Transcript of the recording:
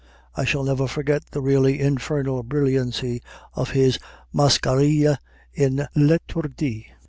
I shall never forget the really infernal brilliancy of his Mascarille in "L'Étourdi."